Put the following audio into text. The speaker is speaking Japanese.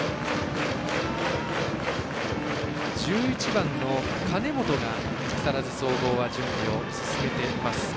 １１番の金本が木更津総合は準備進めています。